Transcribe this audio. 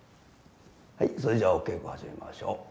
はいそれじゃお稽古始めましょう。